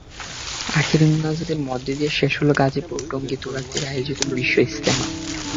আখেরি মোনাজাতের মধ্য দিয়ে শেষ হলো গাজীপুরের টঙ্গীর তুরাগতীরে আয়োজিত বিশ্ব ইজতেমা।